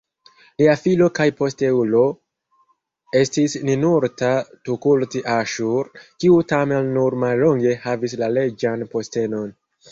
Lia filo kaj posteulo estis Ninurta-tukulti-Aŝur, kiu tamen nur mallonge havis la reĝan postenon.